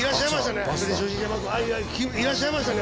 いらっしゃいましたね。